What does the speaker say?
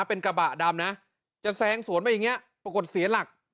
เป็นกระบะดำนะจะแซงสวนไปอย่างนี้ปรากฏเสียหลัก